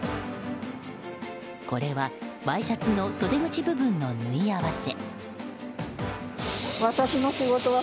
これは、ワイシャツの袖口部分の縫い合わせ。